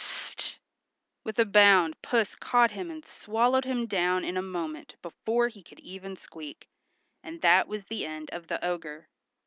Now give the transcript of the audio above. "Ps s s t!" with a bound Puss caught him and swallowed him down in a moment before he could even squeak, and that was the end of the ogre.